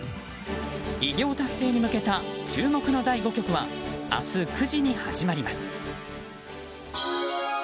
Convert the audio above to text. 偉業達成に向けた注目の第５局は明日９時に始まります。